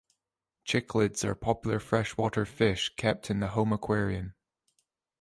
Cichlids are popular freshwater fish kept in the home aquarium.